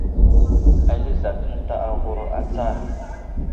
Ali azat ənta aghur atsar.